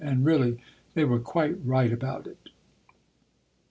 And really, they were quite right about it